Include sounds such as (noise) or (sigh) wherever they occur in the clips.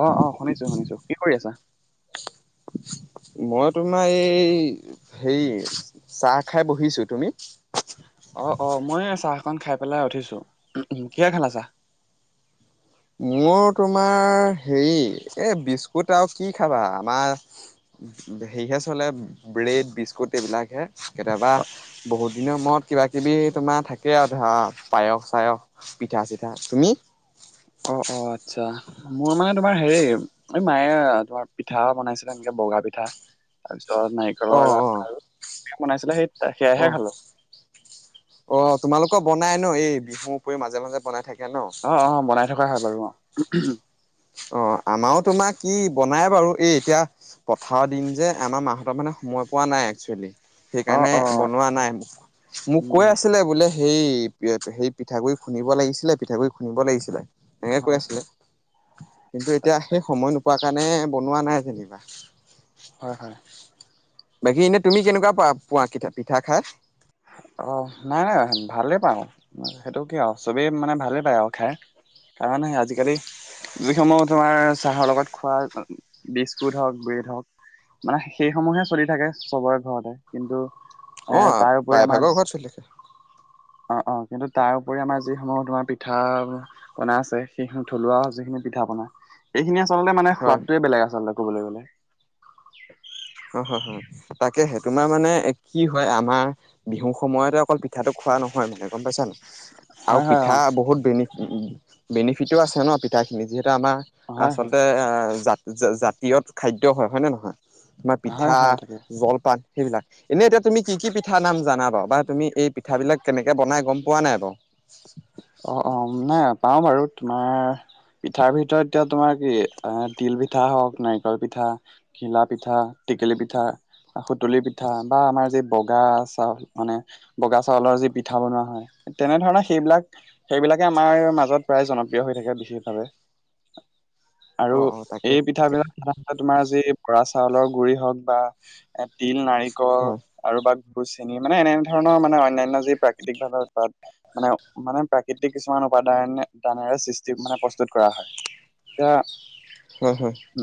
অ', অ', শুনিছো শুনিছো কি কৰি আছা? মই তোমাৰ এই হেৰি চাহ খাই বহিছো, তুমি? অ' অ' মই এই চাহ অকণ খাই পেলাই উঠিছো, উ কিহে খালা চাহ? মোৰ তোমাৰ হেৰি এই বিস্কুট আৰু কি খাবা আমাৰ হেৰি হে চলে ব্ৰেড, বিস্কুট এইবিলাকহে কেতিয়াবা বহুত দিনৰ মূৰত কিবাকিবি তোমাৰ থাকে আৰু ধৰা পায়স-চায়স, পিঠা-চিঠা তুমি? অ' অ' আচ্ছা মোৰ মানে তোমাৰ হেৰি এই মায়ে তোমাৰ পিঠা বনাইছিলে এনেকে বগা পিঠা তাৰ পিছত অ নাৰিকলৰ লাৰু অ সেইয়া বনাইছিলে সেই অ সেয়াহে খালোঁ অ তোমালোকৰ বনাই ন এই বিহুৰ উপৰি মাজে মাজে বনাই থাকে ন অ অ বনাই থকা হয় বাৰু অ অ আমাৰো তোমাক কি বনাই বাৰু এই এতিয়া পথাৰৰ দিন যে আমাৰ মাহতৰ মানে সময় পোৱা নাই একচুৱেলি অ', সেইকাৰণে অ', বনোৱা নাই মোক উম, কৈ উম, আছিলে বোলে সেই সেই পিঠাগুৰি খুন্দিব লাগিছিলে, পিঠাগুৰি খুন্দিব লাগিছিলে এনেকে হয় কৈ হয় আছিলে কিন্তু এতিয়া সেই তাকে। সময় নোপোৱা কাৰণে বনোৱা নাই যেনিবা হয় হয় বাকী এনেই তুমি কেনেকুৱা পো-পোৱা পিঠা খাই? অ' নাই নাই ভালেই পাওঁ সেইটো কি আৱ চবেই মানে ভালে পায় আৰু খাই তাৰমানে আজিকালি যিসমূহ তোমাৰ চাহৰ লগত খোৱা বিস্কুট হওঁক, ব্ৰেড হওঁক। মানে সেইসমূহে চলি থাকে চবৰে ঘৰতে। কিন্তু এ অ', তাৰপৰি আমাৰ প্ৰায়ভাগৰ ঘৰত চলি হয়। অ অ কিন্তু তাৰ উপৰি আমাৰ যিসমূহ তোমাৰ পিঠা বনাই আছে সেইহু থলুৱা যিখিনি পিঠা পনা এইখিনি আচলতে মানে হয়, সোৱাদটোৱে বেলেগ আচলতে ক'বলৈ গ'লে। হয় হয় হয় তাকেহে তোমাৰ মানে কি হয় আমা- বিহু সময়তে অকল পিঠাটো খোৱা নহয় মানে গম পাইছা নাই? আও হয় হয় অ পিঠা বহুত বেনিফ বেনিফিটো আছে ন পিঠাখিনি যিহেতু আমা- হয় হয় আচলতে জাত জাতীয়ত খাদ্য হয়, হয় নে নহয়? তোমাৰ হয় পিঠা, হয় তাকে জলপান সেইবিলাক, এনেই এতিয়া তুমি কি কি পিঠা নাম জানা বাও বা তুমি এই পিঠাবিলাক কেনেকৈ বনাই গম পোৱা নাই বাও? অ অ নাই পাও বাৰু তোমাৰ পিঠাৰ ভিতৰত এতিয়া তোমাৰ কি এ তিল পিঠা হওক, নাৰিকল পিঠা ঘিলা পিঠা, টেকেলি পিঠা সুতুলি পিঠা বা আমাৰ যি বগা চাউল মানে বগা চাউলৰ যি পিঠা বনোৱা হয় তেনে ধৰণে সেইবিলাক সেইবিলাকে আমাৰ মাজত প্ৰায় জনপ্ৰিয় হৈ থাকে বিশেষভাৱে। আৰু অ', অ', তাকে এই পিঠ- পিঠাবিলাক সাধাৰণতে তোমাৰ যি বৰা চাউলৰ গুড় হওঁক বা এ তিল, নাৰিকল হয় আৰু বা গুৰ, চেনি মানে এনে ধৰণৰ মানে অন্যান্য যি প্ৰাকৃতিকভাৱে তাত মানে মানে প্ৰাকৃতিক কিছুমান উপাদান দানেৰে সৃষ্টি মানে প্ৰস্তুত কৰা হয়। য়া। হয় হয়। ও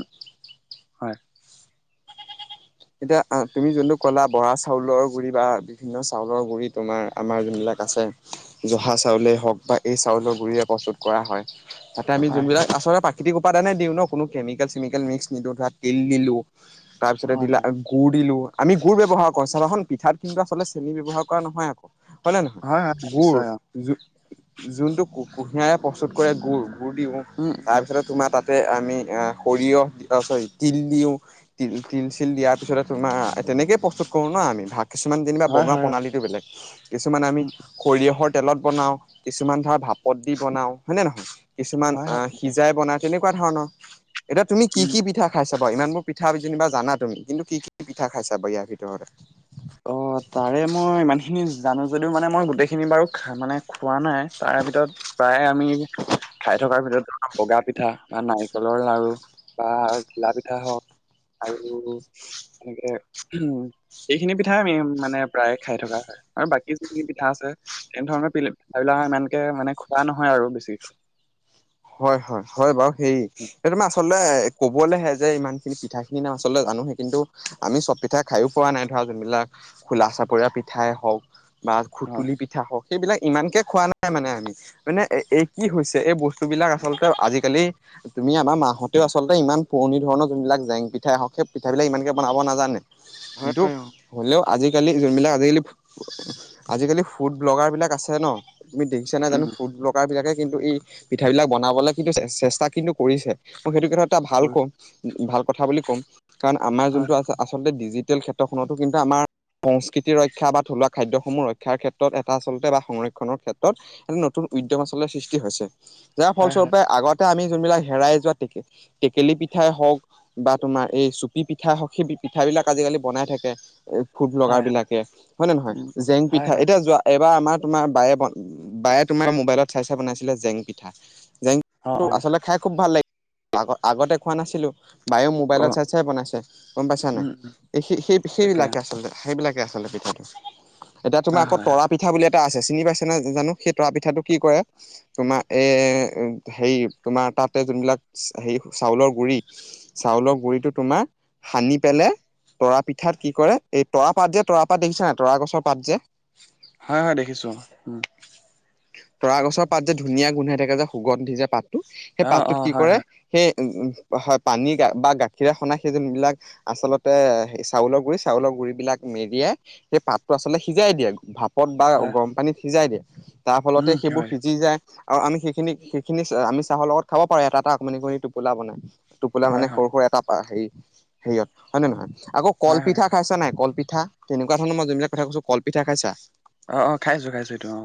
হয়। এতিয়া তুমি যোনটো ক'লা বৰা চাউলৰ গুৰি বা বিভিন্ন চাউলৰ গুৰিত তোমাৰ আমাৰ যোনবিলাক আছে, জহা চাউলেই হওক বা এই চাউলৰ গুৰিৰে প্ৰস্তুত কৰা হয়। তাতে আমি হয় হয় যোনবিলাক আচৰে প্ৰাক- কৃতিক উপাদানে দিওঁ ন কোনো কেমিকেল চেমিকেল মিক্স নিদো ধৰা তিল দিলো তাৰপিছতে হয় দিলা হয় গুৰ দিলোঁ। আমি গুৰ ব্যৱহাৰ কৰো চাবাখন পিঠাত কিন্তু আচলতে চেনি ব্যৱহাৰ কৰা নহয় আক। হয় নাই নহয় হয় গুৰ নিশ্চয় অ যো যোনটো কু কুঁহিয়াৰে প্ৰস্তুত কৰে গুৰ গুৰ দিওঁ উম উম তাৰপিছতে তোমাৰ তাতে আমি অ সৰিয়হ চৰি তিল দিওঁ তিল তিল চিল দিয়াত পিছতে তোমাৰ তেনেকে প্ৰস্তুত কৰো ন আমি ভাগ কিছুমান যেনিবা হয় বনোৱা হয় প্ৰণালীটো বেলেগ। কিছুমান আমি উম সৰিয়হৰ তেলত বনাওঁ কিছুমান ধৰা ভাপত দি বনাও, হয়নে নহয়? কিছুমান হয় অ হয় সিজাই বনাই তেনেকুৱা ধৰণৰ। এতিয়া তুমি কি উম কি পিঠা খাই চাবা ইমানবোৰ পিঠা যেনিবা জানা তুমি কিন্তু কি পিঠা খাই চাবা ইয়াৰ ভিতৰতে? অ। তাৰে মই ইমানখিনি জানো যদিও মানে মই গোটেইখিনি বাৰু মানে খোৱা নাই তাৰে ভিতৰত প্ৰায় আমি খাই থকাৰ ভিতৰত (unintelligible) বগা পিঠা বা নাৰিকলৰ লাৰু বা ঘিলা পিঠা হওঁক। আৰু এনেকে উ সিখিনি পিঠাই আমি মানে প্ৰায়ে খাই থকা হয় আৰু বাকী যোনখিনি পিঠা আছে। এনে ধৰণৰ পিলে সেবিলাক ইমানকে মানে খোৱা নহয় আৰু বেছিকে। হয় হয় হয় বাৰু হেৰি এই তোমাৰ আচল- আচল কবলৈহে যে ইমান খিনি পিঠা খিনি ন আচলতে জানোহে কিন্তু আমি চব পিঠা খাইয়ো পোৱা নাই ধৰ যোনবিলাক খোলা চাপৰীয়া পিঠাই হওঁক বা হয়। খুতুলি পিঠা হওক সেইবিলাক ইমানকে খোৱা নাই মানে আমি মানে এই কি হৈছে এই বস্তু বিলাক আচলতে আজিকালি তুমি আমাৰ মাহতেও আলতে ইমান পুৰণি ধৰণৰ যোনবিলাক জেং পিঠাই আহক সেই পিঠাব বিলাক ইমানকে বনাব নাজানে হয় দো হয় অ। হলেও আজিকালি যোনবিলাক আজিকালি আজিকালি ফুড ব্লগাৰবিলাক আছে ন তুমি দেখিছা নাই জানো উম ফুড বকাৰ বিলাকে কিন্তু এই পিঠ বিলাক বনাবলৈ কিন্তু চেষ্টা কিন্তু কৰিছে মই সেইটো ক্ষেত্ৰত এটা ভাল কম ভাল কথা বুলি ক'ম কাৰণ আমাৰ হয় যোনটো আ আচলতে ডিজিটেল ক্ষেত্ৰখনতো কিন্তু আমাৰ সংস্কৃতিৰ ৰক্ষা বা থলুৱা খাদ্যসমূহ ৰক্ষাৰ ক্ষেত্ৰত এটা আচলতে বা সংৰক্ষণৰ ক্ষেত্ৰত এটা নতুন উদ্যম আচলতে সৃষ্টি হৈছে। যাৰ হয় হয় ফলস্বৰূপে আগতে আমি যোনবিলাক হেৰাই যোৱা টেক টেকেলি পিঠাই হওঁক বা তোমাৰ এই চুপি পিঠা সখী পিঠা পিঠা বিলাক আজিকালি বনাই থাকে। ফুড ব্লগাৰ হয় হয় বিলাকে হয়নে নহয় উম জেং হয় পিঠা হয় এতিয়া যোৱা এইবাৰ আমাৰ তোমাৰ বায়ে বন বায়ে তোমাৰ মোবাইলত চাই চাই বনাইছিলে জেং পিঠা জেং অ অ আচলতে খাই খুব ভাল লাগিল আগ আগতে খোৱা নাছিলোঁ। বায়ে অ মোবাইলত চাই চাই বনাইছে গ'ম পাইছা নাই উম উম এই সেই, সেই তাকে সেইবিলাকে আচলতে সেইবিলাকে আচলতে পিঠাটো এতিয়া তোমাৰ হয় আকৌ হয় হয় তৰা পিঠা বুলি এটা আছে চিনি পাইছেনে জানো সেই তৰা পিঠাটো কি কৰে তোমাৰ এ হেৰি তোমাৰ তাতে যোনবিলাক হেৰি চাউলৰ গুৰি চাউলৰ গুৰিতো তোমাৰ সানি পেললে তৰা পিঠাত কি কৰে এই তৰা পাত যে তৰা পাত দেখিছা নাই তৰা গছৰ পাত যে হয়, হয় দেখিছো উ তৰা গছৰ পাত যে ধুনীয়া গোন্ধাই থাকে যে সুগন্ধ দি যে পাতটো সেই অ অ পাতটোত কি হয় কৰে হয় সেই হয় পানীা বা গাখীৰে সনাই সেই যোনবিলাক আচলতে চাউলৰ গুৰি চাউলৰ গুৰি বিলাক মেৰিয়াই সেই পাতটো আচলতে সিজাই দিয়ে ভাত পদ বা হয় গৰম পানীত সিজাই দিয়ে তাৰ ফলতে উম সেইবোৰ হয় সিজি যায়। আৰু আমি সেইখিনি সেইখিনি আমি চাহৰ লগত খাব পাৰু এটা এটা মি কৰি টোপোলা বনাই। টোপোলা হয় মানে হয় সৰু সৰু এটা হেৰি হেৰিয়ত হয়ে নে নহয় আকৌ হয় কল হয় পিঠা খাইছা নাই কল পিঠা তেনেকুৱা ধৰণৰ মই যোন বিলাক কথা কৈছো কল পিঠা খাইছা। অ', অ', খাইছোঁ খাইছোঁ এইটো অ'।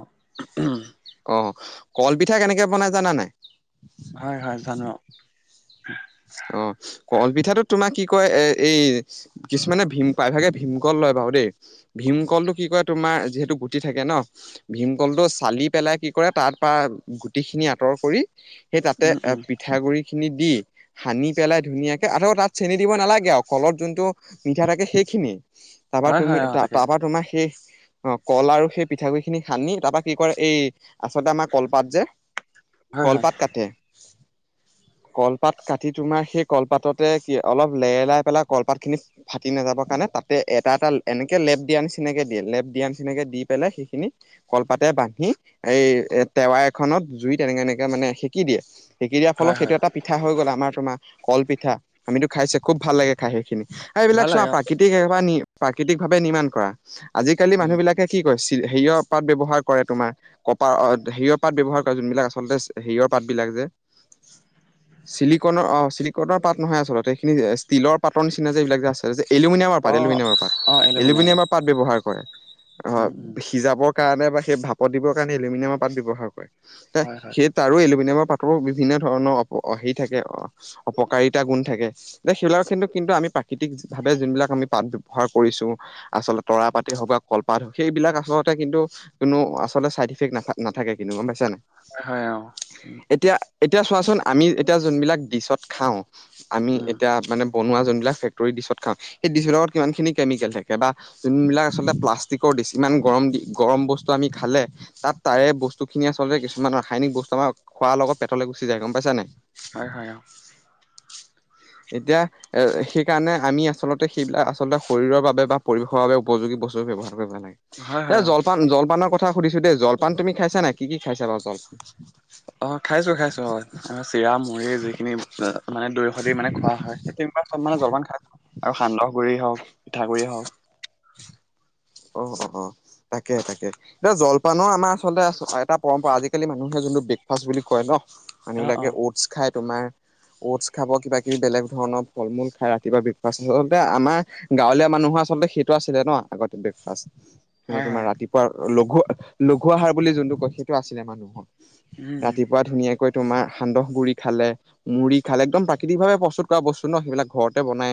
অ', কল পিঠা কেনেকে বনাই জানা নাই। হয়, হয় জানো? অ', কলপিঠাটো তোমাক কি কয় এ এই কিছুমানে ভীম প্ৰাইভাগে ভীমকল লয় বাৰু দেই। ভীমকলটো কি কয় তোমাৰ যিহেতু গুটি থাকে ন। ভীমকলটো চালি পেলাই কি কৰে তাৰ পৰা কি কৰে গুটিখিনি আঁতৰ কৰি সেই তাতে উম, এ উম, পিঠাগুৰি খিনি দি সানি পেলাই ধুনীয়াকে আৰু তাত চেনি দিব নালাগে আৰু কলত যোনটো মিঠা থাকে সেইখিনিয়ে তাপা হয়, তুমি হয়, অ', তাকে। তাপা তোমা সেই অ', কল আৰু সেই পিঠাগু়ি খিনি সানি তাৰ পৰা কি কৰে এই আচলতে আমাৰ কলপাত যে হয়, হয়, কলপাত কাটে কলপাত কাটি তোমাৰ সেই কলপাততে কি অলপ লে লাই পেলাই কলপাত খিনিত ফাটি নাযাবৰ কাৰণে তাতে এটা এটা এনেকে লেপ দিয়াৰ নিচিনাকে দিয়ে লেপ দিয়া নিচিনাকে দি পেলাই সেইখিনি কলপাতে বান্ধি এই এ টেৱা এখনত জুই এনেকে এনেকে মানে সেকি দিয়ে হেকি দিয়াৰ ফলত হয়, সেইটো হয়, এটা পিঠা হৈ গ'ল আমাৰ তোমা কল পিঠা আমিতো খাইচে খুব ভাল লাগে খাই সেইখিনি সেই এইবিলাক ভাল চোৱা লাগে অ', প্ৰাকৃতিক বা প্ৰাকৃতিক ভাৱে নিৰ্মাণ কৰা আজিকালি উম, মানুহ বিলাকে কি কয় চি হেৰিয়ৰ পাত ব্যৱহাৰ কৰে তোমাৰ? কপাৰ অ হেৰিয়ৰ পাত ব্যৱহাৰ কৰে যোনবিলাক আচলতে এছ হেৰিয়ৰ পাত বিলাক যে, ছিলিকনৰ অঁ ছিলিকনৰ পাত নহয় আচলতে এইখিনি এ ষ্টিলৰ পাতৰ নিচিনা যে এইবিলাক যে আছে! তাছত যে এলুমিনিয়ামৰ পাত অ', এলুমিনিয়ামৰ অ', পাত এলুমিনিয়াম এলুমিনিয়ামৰ পাত ব্যৱহাৰ কৰে! অঁ উম, উম, সিজাবৰ কাৰণে বা সেই ভাপত দিবৰ কাৰণে এলুমিনিয়ামৰ পাত ব্যৱহাৰ কৰে! ত হয়, হয়, সেই তাৰো এলুমিনিয়ামৰ পাতৰ বিভিন্ন ধৰণৰ অপ হেৰি থাকে, কে অঁ, অপকাৰিতা গুণ থাকে! যে সেইবিলাক চিনটো কিন্তু আমি প্ৰাকৃতিক ভাৱে যোনবিলাক আমি পাত ব্যৱহাৰ কৰিছো! আচলতে তৰা পাতি হওক বা কলপাত হওক সেইবিলাক আচলতে কিন্তু, কোনো আচলতে চাইডইফেক্ট না নাথাকে কিন্তু গম পাইছা নাই! হয়, হয়, অ', উম, এতিয়া এতিয়া চোৱাচোন আমি এতিয়া যোনবিলাক ডিচত খাওঁ! আমি উম, এতিয়া মানে বনোৱা যোনবিলাক ফেক্টৰী ডিছত খাওঁ সেই ডিচবিলাকত কিমান খিনি কেমিকেল থাকে বা, যোনবিলাক আচলতে প্লাষ্টিকৰ দিছ ইমান গৰম দি গৰম বস্তু আমি খালে! তাত তাৰে বস্তু খিনিয়ে আচলতে কিছুমান ৰাসায়নিক বস্তু আমাৰ খোৱাৰ লগত পেটলে গুচি যায় গম পাইছা নাই হয় হয় অ এতিয়া, এ সেইকাৰণে আমি আচলতে সেইবিলাক আচলতে শৰীৰৰ বাবে বা পৰিৱেশৰ বাবে উপযোগী বস্তু ব্যৱহাৰ কৰিব লাগে! হয়, এ হয়, অ', জলপান জলপানৰ কথা সুধিছো দেই জলপান তুমি খাইছা নাই! কি কি খাইছা বাও জলপান! অঁ, খাইছো খাইছো হয়! আ চিৰা মুড়ি যিখিনি আ মানে দৈ সদি মানে খোৱা হয়! সেই তেনেকুৱা চ মানে জলপান খাই? আৰু সান্দহ গুড়ি হওক পিঠাগুৰিয়েই হওক! অঁ, অঁ, অঁ, তাকে তাকে এতিয়া জলপানো আমাৰ আচলতে এটা, পৰম্পৰা আজিকালি মানুহে যোনটো ব্ৰেকফাষ্ট বুলি কয় ন অ', মানুহবিলাকে অ', অ'টছ খাই তোমাৰ, অ'টছ খাব কিবা কিবি বেলেগ ধৰণৰ ফল মূল খায়! ৰাতিপুৱা ব্ৰেকফাষ্ট আচলতে আমাৰ গাঁৱলীয়া মানুহৰ আচলতে সেইটো আছিলে ন আগতে ব্ৰেকফাষ্ট মানে হয়, তোমাৰ হয়, ৰাতি, পোৱাৰ লঘু লঘু আহাৰ বুলি যোনটো কয় সেইটো আছিলে মানুহৰ উম, ৰাতিপুৱা ধুনীয়াক, কৈ তোমাৰ সান্দহ গুড়ি খালে! মুড়ি খালে একদম প্ৰাকৃতিক ভাৱে প্ৰস্তুত কৰা বস্তু ন সেইবিলাক ঘৰতে বনাই!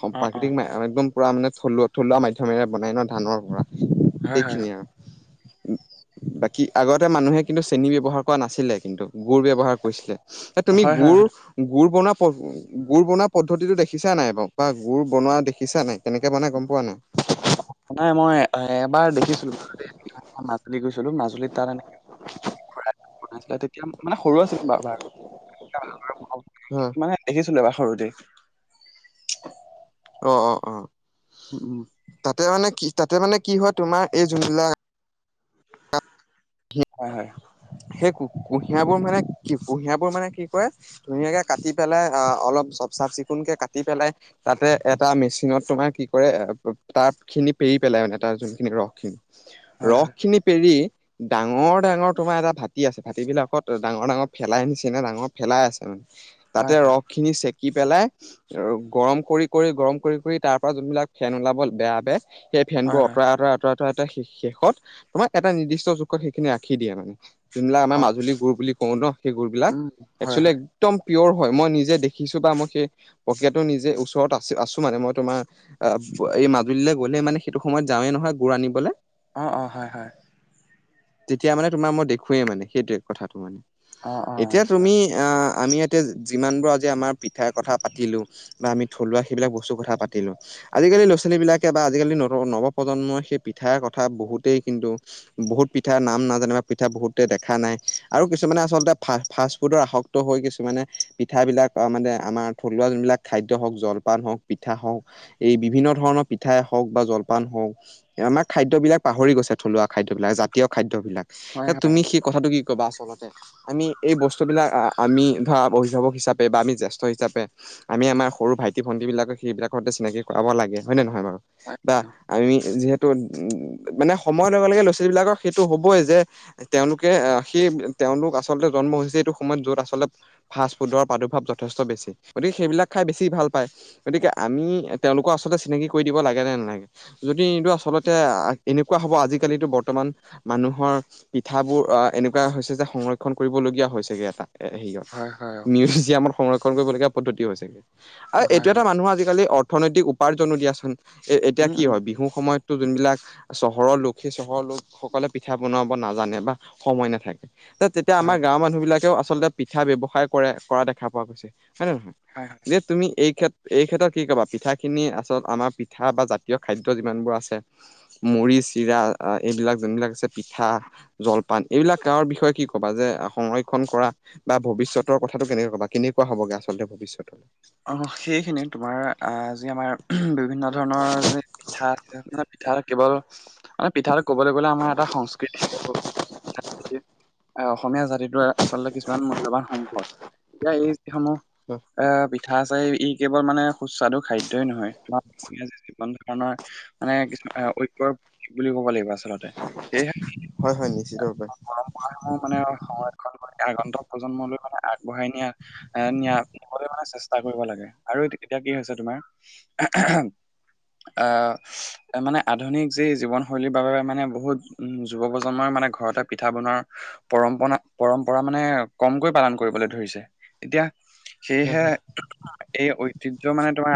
সম অ', প্ৰাকৃতিক অ', মা একদম পুৰা মানে থলুৱা থলুৱা মাধ্যমেৰেই বনাই ন ধানৰ পৰা! হয়, সেই হয়, খিনিয়ে আউ, বাকী আগতে মানুহে কিন্তু চেনি ব্যৱহাৰ কৰা নাছিলে কিন্তু গুৰ ব্যৱহাৰ কৰিছিলে! এ অ', তুমি হয়, হয়, গুড হয়। গুড়ৰ বনোৱা প, গুড় বনোৱা পদ্ধতিটো দেখিছা নাই বাও বা গুৰ বনোৱা দেখিছা নাই কেনেকে বনাই গম পোৱা নাই? নাই মই এবাৰ দেখিছিলো বাৰু ম, গৈছিলো মাজুলীত তাত এনেক ঘ (unintelligible) বনাইছিলে তেতিয়া মানে সৰু আছিলো বাৰ বাৰ হয় মানে, দেখিছিলো এবা সৰুতে অ অ অ উম উম তাতে মানে কি তাতে মানে কি হয় তোমাৰ এই যোনবিলাক হয় হয় সেই ক কুঁহিয়াবোৰ মানে কি কুঁহিয়াবোৰ মানে কি কৰে? ধুনীয়াকে কাটি পেলাই অ অলপ চফ চাফ চিকুণকে কাটি পেলাই তাতে এটা মেচিনত তোমাৰ কি কৰে, তাপ খিনি পেৰি পেলাই মানে তাৰ যোনখিনি ৰস খিনি হয় ৰস খিনি পেৰি, ডাঙৰ ডাঙৰ তোমাৰ এটা ভাটি আছে ভাটি বিলাকত ডাঙৰ ডাঙৰ ফেলাই নিচিনা ডাঙৰ ফেলাই আছে মানে তাতে হয় হয় হয় ৰস, খিনি চেকি পেলাই, আৰু গৰম কৰি কৰি, গৰম কৰি কৰি তাৰ পৰা যোনবিলাক ফেন ওলাব বেয়া কে, সেই ফেন হয় বোৰ হয় আঁতৰাই আতৰাই এ এটা শেষত তোমাৰ এটা নিৰ্দিষ্ট জোখত সেইখিনি ৰাখি দিয়ে মানে। যোনবিলাক আমাৰ অ মাজুলী গুুৰ বুলি কওঁ ন? সেই গুৰ বিলাক উম হয় একচলি হয় একদম পিয়ৰ হয়, মই নিজে দেখিছোঁ বা মই সেই পকেটটো নিজে ওচৰত আছো আছো মানে মই তোমাৰ অ এই মাজুলীলৈ গ'লে মানে সেইটো সময়ত যাৱে নহয় গুড় আনিবলৈ। অঁ অঁ হয় হয়। তেতিয়া মানে তোমাৰ মই দেখোৱেই মানে সেইটোৱে কথাটো, মানে অ অ এতিয়া আচ্ছা তুমি আমি ইয়াতে যিমানবোৰ আজি আমাৰ পিঠাই কথা পাতিলোঁ, বা আমি থলুৱা সেইবিলাক বস্তু কথা পাতিলোঁ। আজিকালি ল'ৰা ছোৱালীবলাকে বা আজিকালি ন নৱপ্ৰজন্মৰ সেই পিঠাৰ কথা বহুতেই কিন্তু বহুত পিঠা নাম নাজানো বা পিঠা বহুত দেখা নাই, আৰু কিছুমানে আচলতে ফা ফাষ্টফুডৰ আসক্ত হৈ কিছুমানে পিঠাবিলাক মানে আমাৰ থলুৱা যোনবিলাক খাদ্য হওক, জলপান হওক, পিঠা হওক এই বিভিন্ন ধৰণৰ পিঠাই হওক বা জলপান হওক আমাৰ খাদ্যবলাক পাহৰি গৈছে, থলুৱা খাদ্য বিলাক, জাতীয় খাদ্য বিলাক হয় হয় তুমি সেই কথাটো কি ক'বা আচলতে? আমি এই বস্তুবিলাক আমি ধৰা অভিভাৱক হিচাপে বা আমি জ্যেষ্ঠ হিচাপে আমি আমাৰ সৰু ভাইটি ভণ্ট বিলাকক সেইবিলাক সৈতে চিনাকি কৰাব লাগে। হয় নহয় বাৰু? হয় বা আমি যিহেতু ত উ মানে সময়ৰ লগে লগে ল'ৰা ছোৱালীবলাকক সেইটো হ'বই যে, তেওঁলোকে আহ সেই তেওঁলোক আচলতে জন্ম হৈছে এইটো সময়ত যত আচলতে ফাষ্ট ফুডৰ প্ৰাদুৰ্ভাৱ যথেষ্ট বেছি গতিকে, সেইবিলাক খাই বেছি ভাল পায়। গতিকে আমি তেওঁলোকক আচলতে চিনাকি কৰি দিব লাগে নে নালাগে? যদি নিদো আচলতে এনেকুৱা হ'ব আজিকালিতো বৰ্তমান মানুহৰ পিঠাবোৰ অ এনেকুৱা হৈছে যে সংৰক্ষণ কৰিবলগীয়া হৈছেগে এটা এ হেৰিয়ত হয় হয় অ মিউজিয়ামত সংৰক্ষণ কৰিবলগীয়া পদ্ধতি হৈছেগে। আৰু হয় এতিয়া এটা হয় মানুহ আজিকালি অৰ্থনৈতিক উপাৰ্জনো দিয়াচোন, এ এতিয়া উম কি উম হয় বিহু সময়ত যোনবিলাক চহৰৰ লোক সেই চহৰৰ লোকসকলে পিঠা বন নাজানে বা সময় নাথাকে। তেতিয়া আমাৰ হয় গাঁওৰ মানুহ বিলাকেও আচলতে পিঠা ব্যৱসায় কৰে কৰা দেখা পোৱা গৈছে। হয় নে নহয়? হয় হয় যে তুমি এই কেত্ৰ এই ক্ষেত্ৰত কি ক'বা? পিঠাখিনি আচল আমাৰ পিঠা বা জাতীয় খাদ্য যিমানবোৰ আছে মুড়ি, চিৰা এইবিলাক যোনবিলাক আছে পিঠা পাণ এইবিলাক গাঁৱৰ বিষয়ে কি ক'বা যে সংৰক্ষণ কৰা বা ভৱিষ্যতৰ কথাটো কেনেকুৱা বা কেনেকুৱা হ'বগে আচলতে ভৱিষ্যতলৈ? সেইখিনি তোমাৰ যি আমাৰ বিভিন্ন ধৰণৰ য আ পিঠা কেৱল মানে পিঠাটো কবলৈ গ'লে আমাৰ এটা সংস্কৃতি। অসমীয়া জাতিটো আচলতে কিছুমান মূল্যবান সম্পদ। এতিয়া এই সমূহ আহ পিঠা ই কেৱল মানে সুস্বাদু খাদ্যই নহয় আমাৰ যিকোনো জীৱন ধৰণৰ মানে কিছু ঐক্যৰ প্ৰতীক বুলি ক'ব লাগিব আচলতে হয় হয় নিশ্চিত ভাবে সেইসমুহ মানে সংৰক্ষণ কৰি আগন্তক প্ৰজন্মলৈ মানে আগবঢ়াই নিয়া এ নিয়া নিবলৈ মানে চেষ্টা কৰিব লাগে আৰু এতিয়া কি হৈছে তোমাৰ আ মানে, আধুনিক যি জীৱনশৈলীৰ বাবে মানে বহুত যুৱ প্ৰজন্মই মানে ঘৰতে পিঠা বনোৱাৰ। পৰম্পনা, পৰম্পৰা মানে কমকৈ পালন কৰিবলৈ ধৰিছে এতিয়া সেয়েহে এই ঐতিহ্য মানে তোমাৰ